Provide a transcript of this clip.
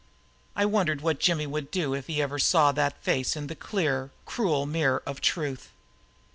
I wondered what Jimmy would do if he ever saw that face in the clear, cruel mirror of Truth.